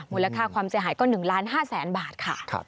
มูลค่าความจะหายก็๑๕๐๐๐๐๐บาทค่ะ